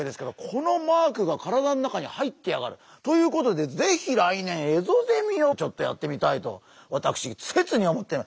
このマークが体の中に入ってやがる。ということでぜひ来年エゾゼミをちょっとやってみたいと私切に思ってる。